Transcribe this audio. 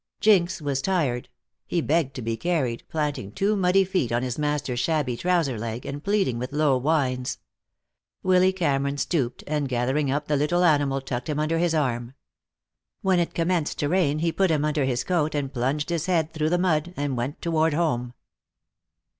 Jinx was tired. He begged to be carried, planting two muddy feet on his master's shabby trouser leg, and pleading with low whines. Willy Cameron stooped and, gathering up the little animal, tucked him under his arm. When it commenced to rain he put him under his coat and plunged his head through the mud and wet toward home.